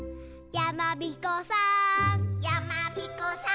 「やまびこさーん」